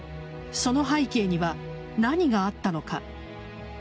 その背景には何があったのか。